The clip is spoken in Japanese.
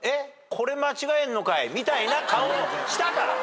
これ間違えんのかいみたいな顔をしたからね。